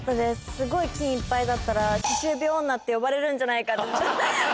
すごい菌いっぱいだったら歯周病女って呼ばれるんじゃないかって。